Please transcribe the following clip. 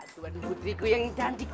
tuan putriku yang cantik